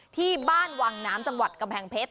ที่บ้านวังน้ำจังหวัดกำแพงเพชร